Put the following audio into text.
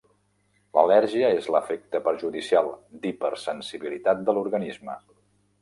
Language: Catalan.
L'al·lèrgia és l'efecte perjudicial d'hipersensibilitat de l'organisme.